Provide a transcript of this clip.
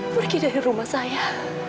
pergi dari rumah saya